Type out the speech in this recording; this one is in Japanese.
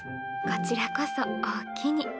こちらこそおおきに。